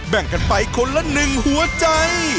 แบ่งกันไปคนละหนึ่งหัวใจ